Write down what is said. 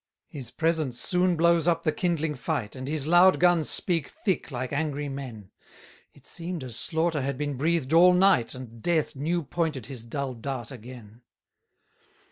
120 His presence soon blows up the kindling fight, And his loud guns speak thick like angry men: It seem'd as slaughter had been breathed all night, And Death new pointed his dull dart again.